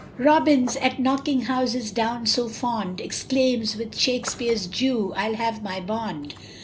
Robins, at knocking houses down so fond, Exclaims, with Shakespeare's Jew, I'll have my bond.